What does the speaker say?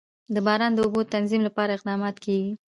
د باران د اوبو د تنظیم لپاره اقدامات کېږي.